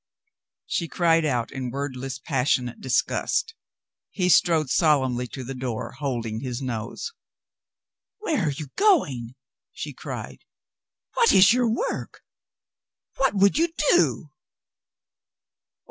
She cried out in wordless passionate disgust. He strode solemnly to the door, holding his nose. "Where are you going?" she cried. "What is your work? What would you do?"